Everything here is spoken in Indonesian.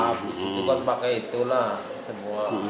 alatnya kan tidak terluka